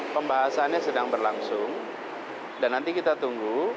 pembahasannya sedang berlangsung dan nanti kita tunggu